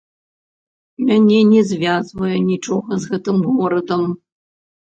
Мяне не звязвае нічога з гэтым горадам.